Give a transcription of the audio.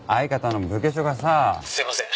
すいません。